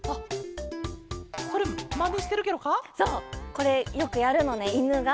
これよくやるのねいぬが。